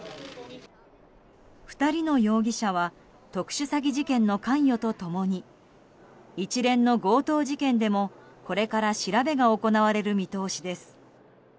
２人の容疑者は特殊詐欺事件の関与と共に一連の強盗事件でもこれから調べが行われる見通しです。